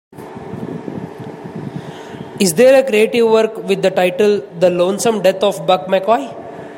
Is there a creative work with the title The Lonesome Death of Buck McCoy